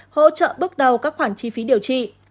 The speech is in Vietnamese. hỗ trợ bước đầu các khoản chi phí điều trị